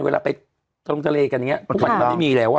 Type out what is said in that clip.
เวลาไปทะลงทะเลกันอย่างนี้พวกมันไม่มีแล้ว